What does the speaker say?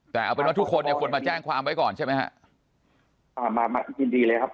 แต่เอาเป็นว่าทุกคนเนี่ยควรมาแจ้งความไว้ก่อนใช่ไหมฮะอ่ามามายินดีเลยครับ